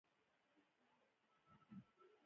له څو بې فکرو کسانو سره یې لاس یو کړ.